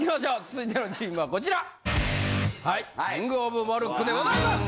続いてのチームはこちら。